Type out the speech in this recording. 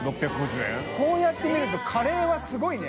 こうやって見ると譟爾すごいね。